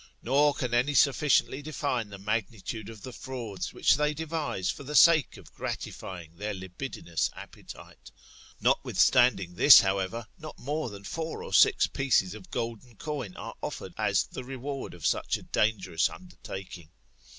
Nor can any sufficiently define the magnitude of the frauds which they devise for the sake of gratifying their libidinous appetite. Notwithstanding this, however, not more than four or six pieces of gold coin aire offered as the reward of such a dangerous undertaking.